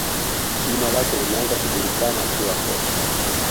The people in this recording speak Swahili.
Jina lake limeanza kujulikana akiwa kocha